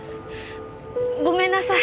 ごめんなさい！